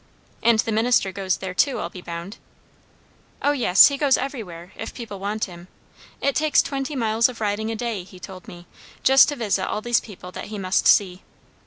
"And the minister goes there too, I'll be bound?" "O yes. He goes everywhere, if people want him. It takes twenty miles of riding a day, he told me, just to visit all these people that he must see."